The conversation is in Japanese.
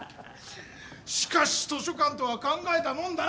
しかし図書館とは考えたもんだな沢田！